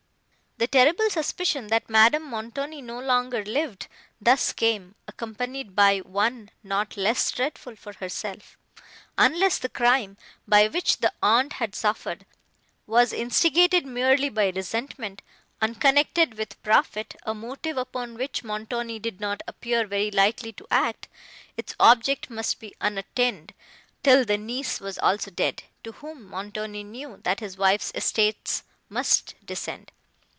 The terrible suspicion, that Madame Montoni no longer lived, thus came, accompanied by one not less dreadful for herself. Unless the crime, by which the aunt had suffered, was instigated merely by resentment, unconnected with profit, a motive, upon which Montoni did not appear very likely to act, its object must be unattained, till the niece was also dead, to whom Montoni knew that his wife's estates must descend.